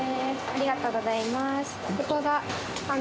ありがとうございます。